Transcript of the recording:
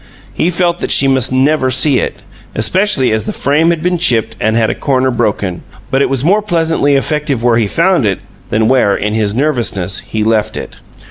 He felt that she must never see it, especially as the frame had been chipped and had a corner broken, but it was more pleasantly effective where he found it than where (in his nervousness) he left it.